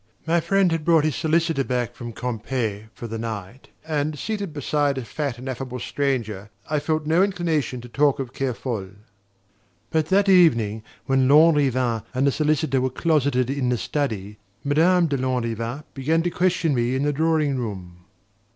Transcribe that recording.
My friend had brought his solicitor back from Quimper for the night, and seated beside a fat and affable stranger I felt no inclination to talk of Kerfol... But that evening, when Lanrivain and the solicitor were closeted in the study, Madame de Lanrivain began to question me in the drawing room.